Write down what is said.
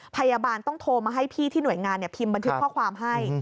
พยาบาลต้องโทรมาให้พี่ที่หน่วยงานพิมพ์บันทึกข้อความให้